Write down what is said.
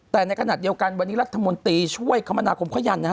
แต่ในขณะเดียวกันวันนี้รัฐมนตรีช่วยคมนาคมเขายันนะ